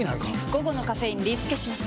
午後のカフェインリスケします！